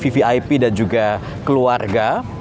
vip dan juga keluarga